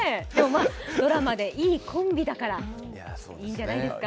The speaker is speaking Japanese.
ドラマでいいコンビだからいいんじゃないですか。